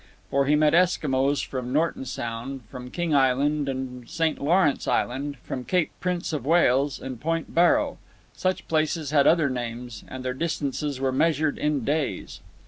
For he met Eskimos from Norton Sound, from King Island and St. Lawrence Island, from Cape Prince of Wales, and Point Barrow. Such places had other names, and their distances were measured in days.